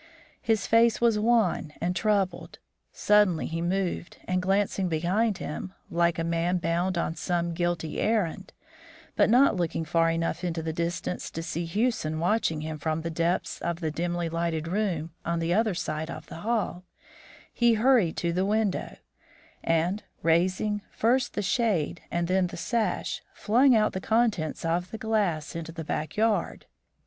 His face was wan and troubled. Suddenly he moved and, glancing behind him, like a man bound on some guilty errand, but not looking far enough into the distance to see Hewson watching him from the depths of the dimly lighted room on the other side of the hall, he hurried to the window, and, raising, first the shade and then the sash, flung out the contents of the glass into the back yard.